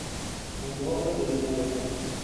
انضباط را جدی نگرفتن